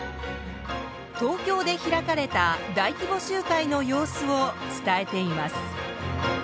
東京で開かれた大規模集会の様子を伝えています。